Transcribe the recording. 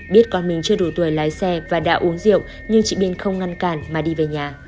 biết con mình chưa đủ tuổi lái xe và đã uống rượu nhưng chị biên không ngăn cản mà đi về nhà